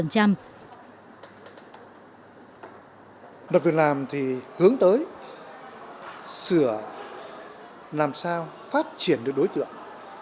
luật việc làm thì hướng tới sửa làm sao phát triển được đối tượng